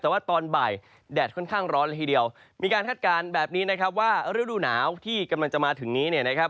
แต่ว่าตอนบ่ายแดดค่อนข้างร้อนละทีเดียวมีการคาดการณ์แบบนี้นะครับว่าฤดูหนาวที่กำลังจะมาถึงนี้เนี่ยนะครับ